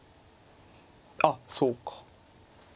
あっそうか。